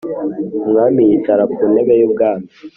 Umwami yicara ku ntebe y ubwami